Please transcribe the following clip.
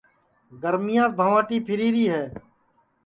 گرمیاس بھوانٚٹی پھیری ری ہے